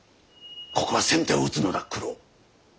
ここは先手を打つのだ九郎。